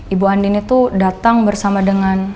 ibu andin itu datang bersama dengan